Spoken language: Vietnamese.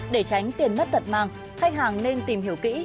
để tránh tiền mất tật mang khách hàng nên tìm hiểu kỹ